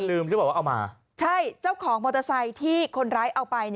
ลืมหรือเปล่าว่าเอามาใช่เจ้าของมอเตอร์ไซค์ที่คนร้ายเอาไป